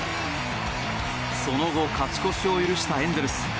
その後、勝ち越しを許したエンゼルス。